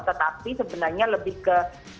tetapi sebenarnya lebih ke